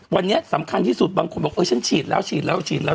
วันนี้สำคัญที่สุดบางคนบอกเออฉันฉีดแล้วฉีดแล้วฉีดแล้ว